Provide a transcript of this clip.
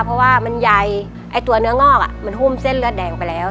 เพราะว่ามันใหญ่ไอ้ตัวเนื้องอกมันหุ้มเส้นเลือดแดงไปแล้ว